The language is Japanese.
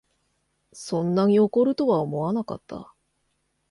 そんなに怒るとは思わなかった